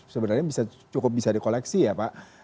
sebenarnya cukup bisa dikoleksi ya pak